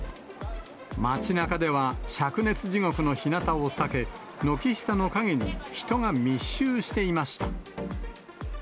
街なかではしゃく熱地獄のひなたを避け、軒下の影に人が密集していました。